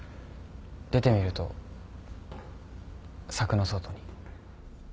出てみると柵の外に。